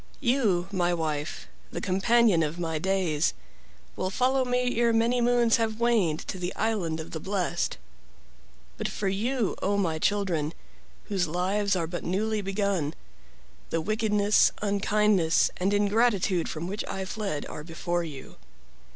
"You, my wife, the companion of my days, will follow me ere many moons have waned to the island of the blessed. But for you, 0 my children, whose lives are but newly begun, the wickedness, unkindness, and ingratitude from which I fled are before you.